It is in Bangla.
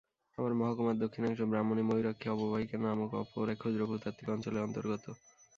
আবার মহকুমার দক্ষিণাংশ ব্রাহ্মণী-ময়ূরাক্ষী অববাহিকা নামক অপর এক ক্ষুদ্র ভূতাত্ত্বিক অঞ্চলের অন্তর্গত।